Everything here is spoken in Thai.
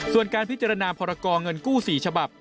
ส่วนการพิจารณาพรกรเงินกู้๔ฉบับ